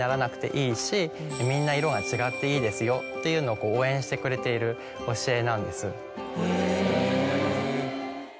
っていうのを応援してくれている教えなんです。